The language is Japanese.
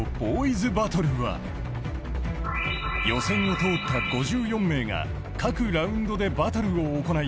’ＳＢＡＴＴＬＥは予選を通った５４名が各ラウンドでバトルを行い